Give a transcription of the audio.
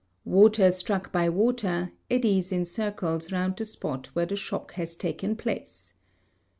Water struck by water, eddies in circles around the spot where the shock has taken place.